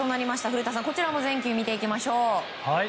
古田さん、こちらも全球見ていきましょう。